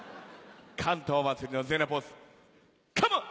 竿燈まつりの全裸ポーズカモン！